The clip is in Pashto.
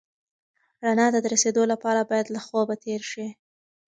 رڼا ته د رسېدو لپاره باید له خوبه تېر شې.